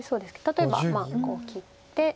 例えばこう切って。